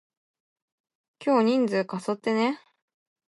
今日人数過疎ってね？